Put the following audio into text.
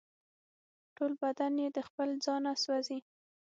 ټول بدن یې د خپل ځانه سوزي